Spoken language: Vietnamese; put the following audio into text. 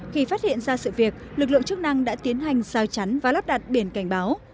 khi phát hiện ra sự việc lực lượng chức năng đã tiến hành giao chắn và lắp đặt biển cảnh báo